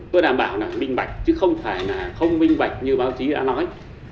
tôi đảm bảo là minh bạch chứ không phải là không minh bạch như báo chí đã nói